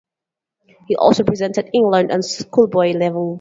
He also represented England at schoolboy level.